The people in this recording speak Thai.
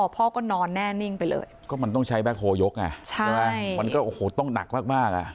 พอก็นอนแน่นิ่งไปเลยมันก็ต้องใช้แบ็คโฮล์ยกอ่ะมันก็ต้องหนักมาก